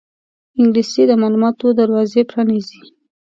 انګلیسي د معلوماتو دروازې پرانیزي